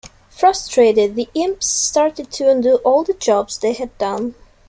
Frustrated the imps started to undo all the jobs they had done.